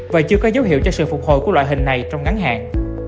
và chưa có dấu hiệu cho sự phục hồi của loại hình này trong ngắn hạn